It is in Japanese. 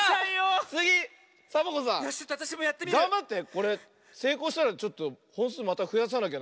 これせいこうしたらちょっとほんすうまたふやさなきゃ。